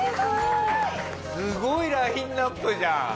すごいラインアップじゃん！